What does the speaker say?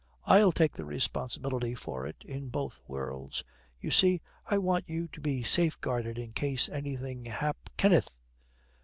'I'll take the responsibility for it in both worlds. You see, I want you to be safeguarded in case anything hap ' 'Kenneth!'